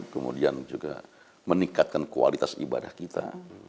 kemudian juga meningkatkan kualitas ibadah kita